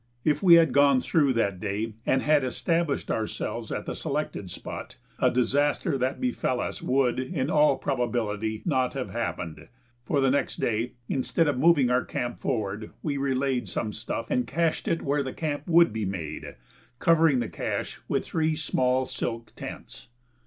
If we had gone through that day and had established ourselves at the selected spot, a disaster that befell us would, in all probability, not have happened; for the next day, instead of moving our camp forward, we relayed some stuff and cached it where the camp would be made, covering the cache with the three small silk tents.